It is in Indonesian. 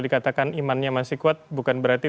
dikatakan imannya masih kuat bukan berarti